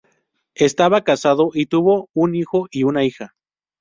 Estaba casado y tuvo un hijo y una hija.